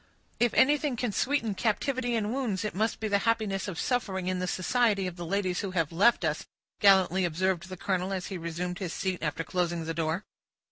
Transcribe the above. "If anything can sweeten captivity and wounds, it must be the happiness of suffering in the society of the ladies who have left us," gallantly observed the colonel, as he resumed his seat after closing the door.